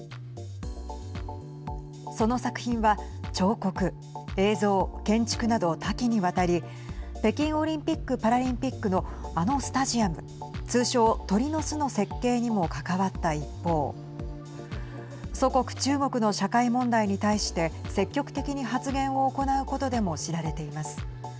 その作品は彫刻、映像建築など多岐にわたり北京オリンピック・パラリンピックのあのスタジアム通称、鳥の巣の設計にも関わった一方祖国、中国の社会問題に対して積極的に発言を行うことでも知られています。